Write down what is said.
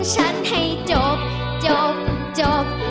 ฉันให้จบจบ